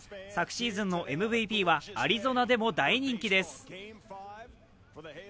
昨シーズンのＭＶＰはアリゾナでも大人気です。